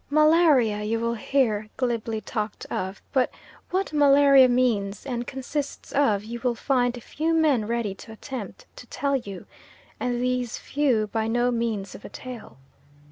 Malaria you will hear glibly talked of; but what malaria means and consists of you will find few men ready to attempt to tell you, and these few by no means of a tale.